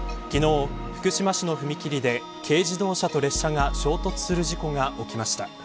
昨日、福島市の踏切で軽自動車と列車が衝突する事故が起きました。